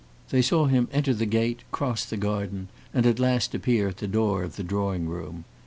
They saw him enter the gate, cross the garden, and at last appear at the door of the drawing room.